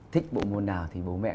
thích bộ môn nào thì bố mẹ